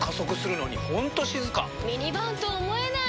ミニバンと思えない！